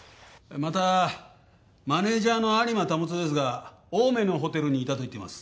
またマネジャーの有馬保ですが青梅のホテルにいたと言っています。